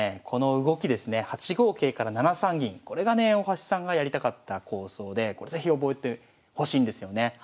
この動きですね８五桂から７三銀これがね大橋さんがやりたかった構想でこれ是非覚えてほしいんですよね。